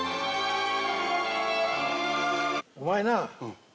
「お前な